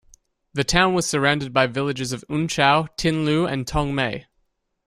The town was surrounded by villages of Un Chau, Tin Liu and Tong Mei.